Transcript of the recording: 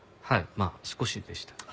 まあ少しでしたら。